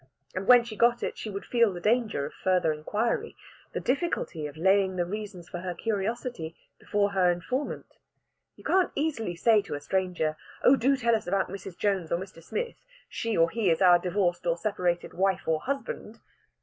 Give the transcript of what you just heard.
And when she got it she would feel the danger of further inquiry the difficulty of laying the reasons for her curiosity before her informant. You can't easily say to a stranger: "Oh, do tell us about Mrs. Jones or Mr. Smith. She or he is our divorced or separated wife or husband."